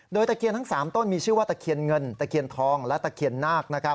โดยตะเคียนทั้ง๓ต้นมีชื่อว่าตะเคียนเงินตะเคียนทองและตะเคียนนาค